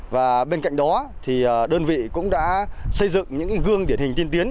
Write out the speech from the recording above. và bên cạnh đó thì đơn vị cũng đã xây dựng những gương điển hình tiên tiến